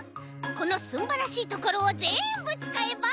このすんばらしいところをぜんぶつかえば！